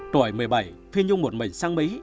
tuổi một mươi bảy phi nhung một mình sang mỹ